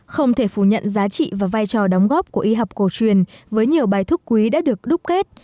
không thể phủ nhận giá trị và vai trò đóng góp của y học cổ truyền với nhiều bài thuốc quý đã được đúc kết